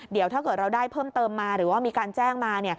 เดี๋ยวถ้าเกิดเราได้เพิ่มเติมมาหรือว่ามีการแจ้งมา